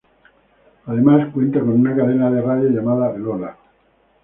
Además cuenta con una cadena de radio llamada "lola".